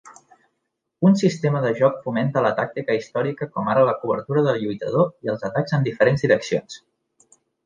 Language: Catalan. Un sistema de joc fomenta la tàctica històrica com ara la cobertura del lluitador i els atacs en diferents direccions.